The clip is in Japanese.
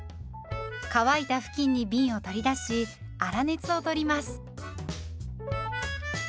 乾いた布巾にびんを取り出し粗熱を取ります。